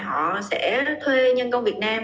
họ sẽ thuê nhân công việt nam